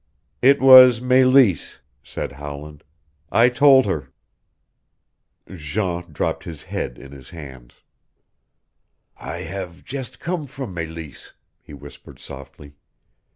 "It was Meleese," said Howland. "I told her." Jean dropped his head in his hands. "I have just come from Meleese," he whispered softly.